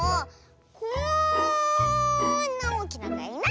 こんなおおきな「か」いないでしょ！